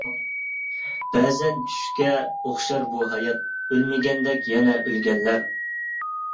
بەزەن چۈشكە ئوخشار بۇ ھايات، ئۆلمىگەندەك يەنە ئۆلگەنلەر.